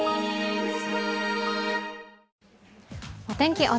お天気